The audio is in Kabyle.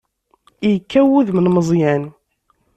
Yekkaw wudem n Meẓyan.